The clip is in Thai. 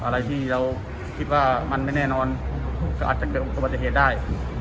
อะไรที่เราคิดว่ามันไม่แน่นอนก็อาจจะเกิดอุบัติเหตุได้